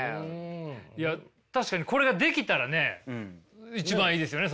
いや確かにこれができたらね一番いいですよね